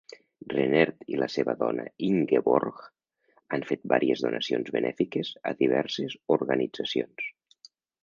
Rennert i la seva dona Ingeborg han fet vàries donacions benèfiques a diverses organitzacions.